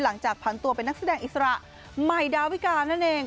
หลังจากผันตัวเป็นนักแสดงอิสระใหม่ดาวิกานั่นเอง